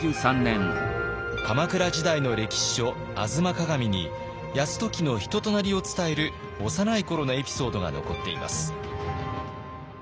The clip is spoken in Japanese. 鎌倉時代の歴史書「吾妻鏡」に泰時の人となりを伝える幼い頃のエピソードが残っています。